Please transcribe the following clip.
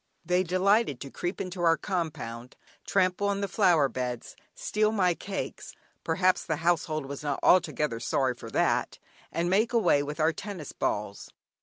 They delighted to creep into our compound, trample on the flower beds, steal my cakes (perhaps the household was not altogether sorry for that), and make away with our tennis balls.